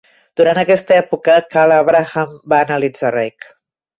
Durant aquesta època, Karl Abraham va analitzar Reik.